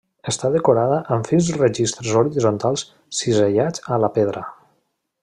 Està decorada amb fins registres horitzontals cisellats a la pedra.